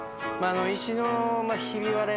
石の。